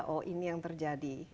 oh ini yang terjadi